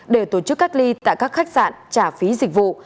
để tổ chức cách ly tại các khách sạn trả phí dịch vụ